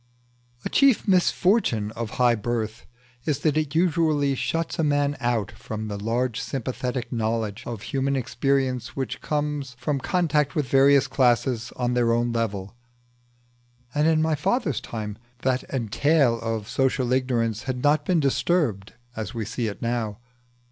A chief misfortune of high birth is that it usually shuts a man out from the large sympathetic knowledge of human experience which comes from contact with various classes on their own level, and in my father's time that entail of social ignorance had not been disturbed as we see it now.